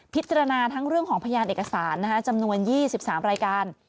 พิจารณาทั้งเรื่องของพยานเอกสารจำนวน๒๓รายการ